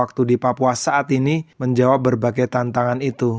waktu di papua saat ini menjawab berbagai tantangan itu